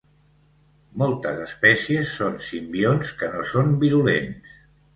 Moltes espècies són simbionts que no són virulents.